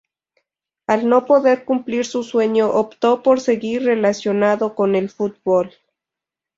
Al no poder cumplir su sueño, optó por seguir relacionado con el fútbol.